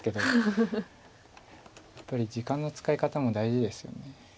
やっぱり時間の使い方も大事ですよね。